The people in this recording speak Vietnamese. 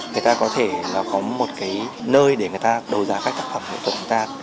người ta có thể có một cái nơi để người ta đấu giá các tác phẩm nghệ thuật của ta